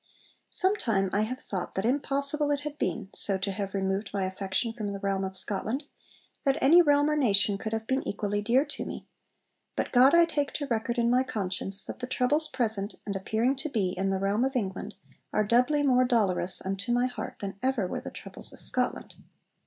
'Sometime I have thought that impossible it had been, so to have removed my affection from the realm of Scotland, that any realm or nation could have been equally dear to me. But God I take to record in my conscience that the troubles present (and appearing to be) in the realm of England are doubly more dolorous unto my heart than ever were the troubles of Scotland.'